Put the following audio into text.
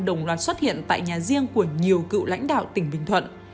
đồng loạt xuất hiện tại nhà riêng của nhiều cựu lãnh đạo tỉnh bình thuận